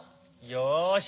よし。